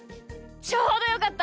ちょうどよかった。